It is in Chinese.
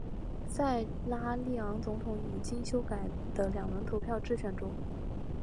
塞拉利昂总统以经修改的两轮投票制选出。